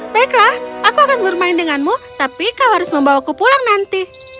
baiklah aku akan bermain denganmu tapi kau harus membawaku pulang nanti